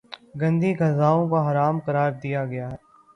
گندی غذاؤں کو حرام قراردیا ہے